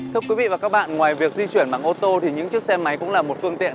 thưa quý vị và các bạn ngoài việc di chuyển bằng ô tô thì những chiếc xe máy cũng là một phương tiện